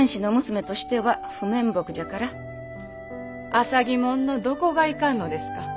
浅葱者のどこがいかんのですか？